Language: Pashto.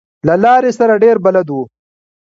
له لارې سره ډېر بلد و.